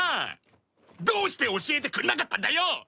どうして教えてくれなかったんだよ！